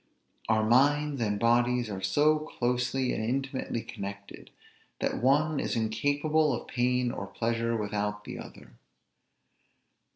Our minds and bodies are so closely and intimately connected, that one is incapable of pain or pleasure without the other.